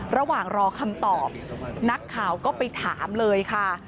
ระหว่างรอคำตอบนักข่าวก็ไปถามเลยค่ะ